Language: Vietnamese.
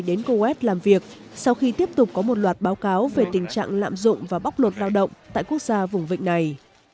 đến coes làm việc sau khi tiếp tục có một loạt báo cáo về tình trạng lạm dụng và bóc lột lao động tại quốc gia vùng vịnh này